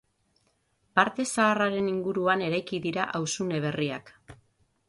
Parte zaharraren inguruan eraiki dira auzune berriak.